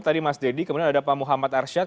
tadi mas deddy kemudian ada pak muhammad arsyad